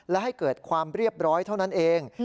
และให้เกิดความเรียบร้อยเท่านั้นเอง